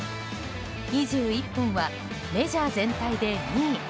２１本はメジャー全体で２位。